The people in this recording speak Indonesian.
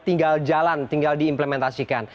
tinggal jalan tinggal diimplementasikan